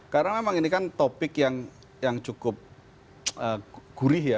karena memang ini kan topik yang cukup gurih ya